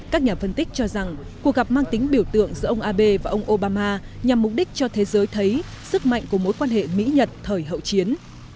các nhà phân tích cho rằng cuộc gặp mang tính biểu tượng giữa ông abe và ông obama nhằm mục đích cho thế giới thấy sức mạnh của mối quan hệ mỹ nhật thời hậu chiến